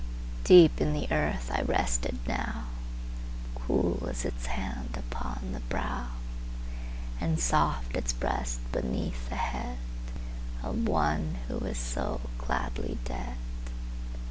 Deep in the earth I rested now; Cool is its hand upon the browAnd soft its breast beneath the headOf one who is so gladly dead.